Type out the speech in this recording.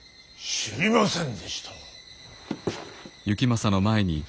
知りませんでした。